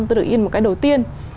tôi được in một cái đầu tiên